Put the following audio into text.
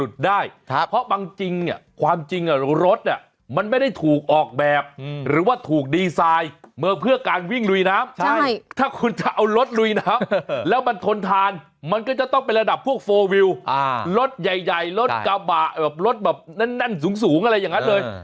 ถ้าคุณจะเอารถลุยน้ำแล้วมันทนทานมันก็จะต้องเป็นระดับพวก๔วิวรถใหญ่รถกะบะรถแบบแน่นสูงอะไรอย่างนั้นเลย